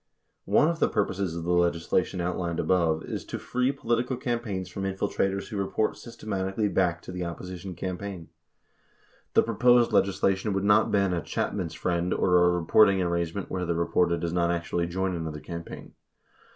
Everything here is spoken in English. One of the pur poses of the legislation outlined above is to free political campaigns from infiltrators who report systematically back to the opposition campaign. The proposed legislation would not ban a "Chapman's friend" or a reporting arrangement where the reporter does not actually join another campaign.